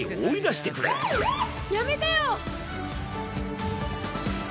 やめてよ。